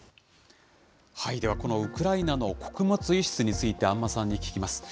では、このウクライナの穀物輸出について、安間さんに聞きます。